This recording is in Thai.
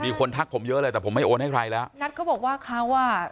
ทักผมเยอะเลยแต่ผมไม่โอนให้ใครแล้วนัทเขาบอกว่าเขาอ่ะ